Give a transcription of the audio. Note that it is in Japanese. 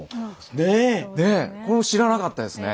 ねえこれも知らなかったですね。